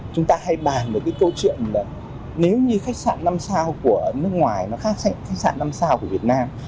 chúng ta hay bàn về cái câu chuyện là nếu như khách sạn năm sao của nước ngoài nó khác khách sạn năm sao của việt nam